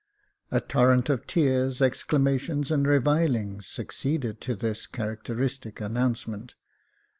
A torrent of tears, exclamations, and revilings succeeded to this characteristic announcement.